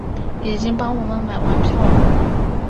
已经帮我们买完票了